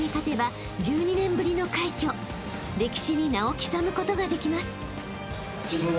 ［歴史に名を刻むことができます］